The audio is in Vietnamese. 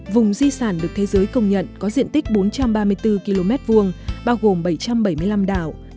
vùng di sản được thế giới công nhận có diện tích bốn trăm ba mươi bốn km hai bao gồm bảy trăm bảy mươi năm đảo